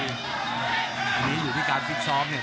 คราวนี้อยู่ที่การวิทย์ซ้อมเนี่ย